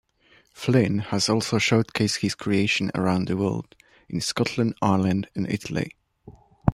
Flynn has also showcased his creation around the world in Scotland, Ireland, and Italy.